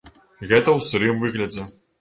Гэта ў сырым выглядзе.